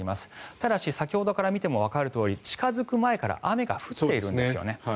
ただし先ほどから見てもわかるとおり近付く前から雨が降っているんですよね。